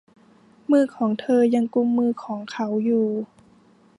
มือของเธอยังกุมมือของเขาอยู่